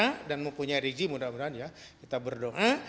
mau punya reji mudah mudahan ya kita berdoa